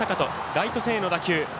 ライト線への打球。